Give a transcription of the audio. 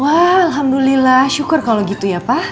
wah alhamdulillah syukur kalau gitu ya pak